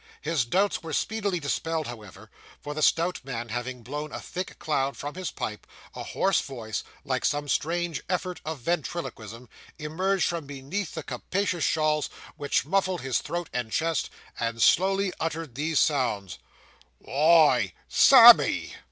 His doubts were speedily dispelled, however; for the stout man having blown a thick cloud from his pipe, a hoarse voice, like some strange effort of ventriloquism, emerged from beneath the capacious shawls which muffled his throat and chest, and slowly uttered these sounds 'Wy, Sammy!